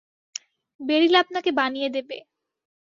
Beryl আপনাকে বানিয়ে দেবে।